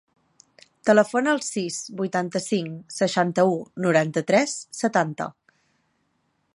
Telefona al sis, vuitanta-cinc, seixanta-u, noranta-tres, setanta.